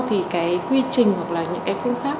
thì cái quy trình hoặc là những cái phương pháp